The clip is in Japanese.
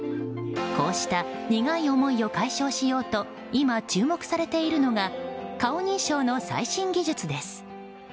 こうした苦い思いを解消しようと今、注目されているのが顔認証の最新技術です。